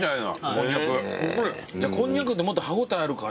こんにゃくってもっと歯応えある感じじゃん。